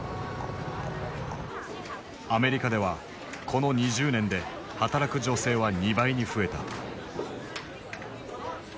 アメリカではこの２０年で働く女性は２倍に増えた。